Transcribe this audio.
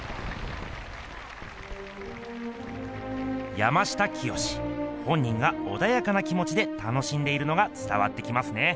山下清本人がおだやかなきもちで楽しんでいるのがつたわってきますね。